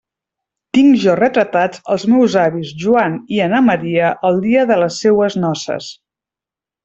Tinc jo retratats els meus avis Joan i Anna Maria, el dia de les seues noces.